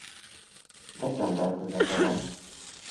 December közepe van.